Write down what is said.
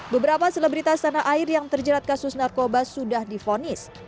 beberapa selebritas tanah air yang terjerat kasus narkoba sudah difonis